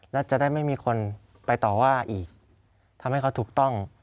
และจะได้ไม่มีคนไปต่อว่าอีกทำให้เขาถูกต้อง